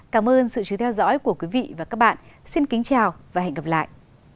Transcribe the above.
cảm ơn sự chú theo dõi của quý vị và các bạn xin kính chào và hẹn gặp lại